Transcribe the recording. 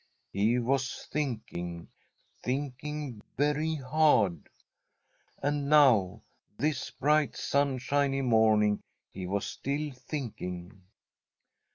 He was thinking, thinking very hard. And now, this bright, sunshiny morning, he was still thinking.